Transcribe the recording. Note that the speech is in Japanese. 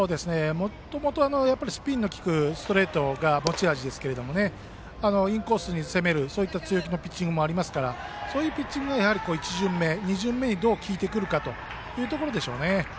もともとスピンの利くストレートが持ち味ですがインコースに攻める強気のピッチングもありますからそういったピッチングが１巡目、２巡目にどう効いてくるかということでしょうね。